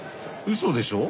うそでしょ？